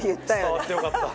伝わってよかった。